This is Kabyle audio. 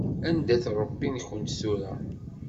Anda-t Ṛebbi-nkent tura?